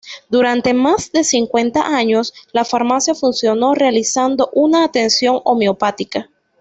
Durante más de cincuenta años, la farmacia funcionó realizando una atención homeopática.